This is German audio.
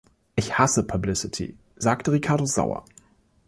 „Ich hasse Publicity“, sagte Ricardo sauer.